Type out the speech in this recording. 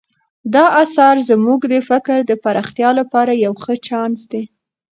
دا اثر زموږ د فکر د پراختیا لپاره یو ښه چانس دی.